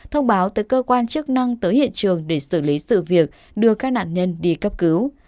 thông báo tới cơ quan chức năng tới hiện trường để xử lý sự việc đưa các nạn nhân đi cấp cứu